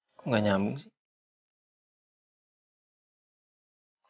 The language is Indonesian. kok gak nyambung sih